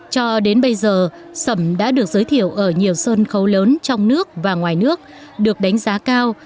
cho đến bây giờ sẩm đã được giới thiệu ở nhiều sân khấu lớn trong nước và ngoài nước được đánh giá cao